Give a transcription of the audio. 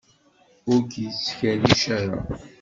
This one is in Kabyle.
Ur k-yettkerric ara.